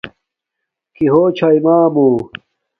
کݵ ہݸ چھݳئݵ مݳمݸ؟